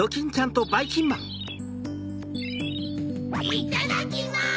いっただきます！